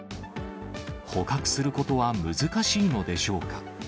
捕獲することは難しいのでしょうか。